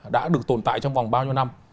đã được tồn tại trong vòng bao nhiêu năm